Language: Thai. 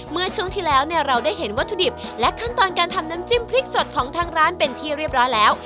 เมื่อช่วงที่แล้วเนี่ยเราได้เห็นวัตถุดิบและขั้นตอนการทำน้ำจิ้มพริกสดของทางร้านเป็นที่เรียบร้อยแล้ว